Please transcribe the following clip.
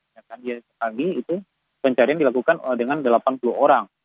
dan di sekali itu pencarian dilakukan dengan delapan puluh orang